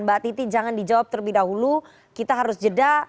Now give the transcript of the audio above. mbak titi jangan dijawab terlebih dahulu kita harus jeda